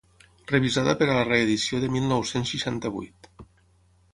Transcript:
Revisada per a la reedició de mil nou-cents seixanta-vuit.